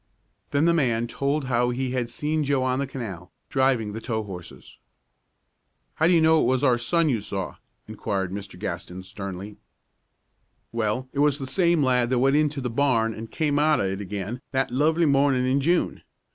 Then the man told how he had seen Joe on the canal, driving the tow horses. "How do you know it was our son you saw?" inquired Mr. Gaston, sternly. "Well, it was the same lad that went into the barn an' came out of it again that lovely mornin' in June.